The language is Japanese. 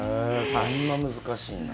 そんな難しいんだ。